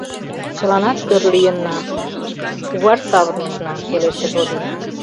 — Чыланат тӧр лийынна — куваш савырнышна, — пелештыш Олий.